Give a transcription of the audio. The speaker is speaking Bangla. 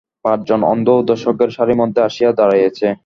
পাঁচজন অন্ধও দর্শকের সারির মধ্যে আসিয়া দাঁড়াইয়াছে।